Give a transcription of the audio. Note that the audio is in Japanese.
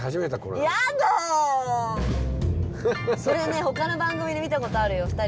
それね他の番組で見たことあるよ。